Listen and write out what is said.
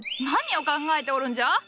何を考えておるんじゃ？